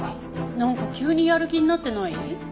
なんか急にやる気になってない？